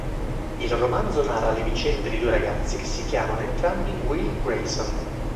Il romanzo narra le vicende di due ragazzi che si chiamano entrambi Will Grayson.